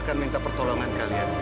janji pasti datang kan